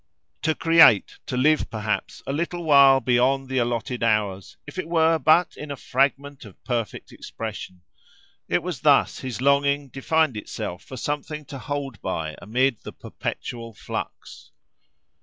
To create, to live, perhaps, a little while beyond the allotted hours, if it were but in a fragment of perfect expression:—it was thus his longing defined itself for something to hold by amid the "perpetual flux."